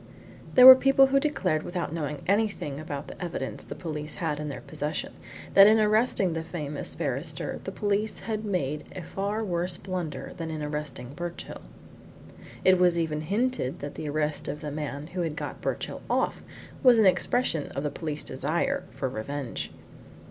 There were people who declared without knowing anything about the evidence the police had in their possession that in arresting the famous barrister the police had made a far worse blunder than in arresting Birchill. It was even hinted that the arrest of the man who had got Birchill off was an expression of the police desire for revenge.